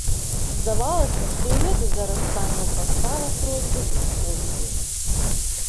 Здавалася, што і гэты зараз стане ў паставу просьбы і споведзі.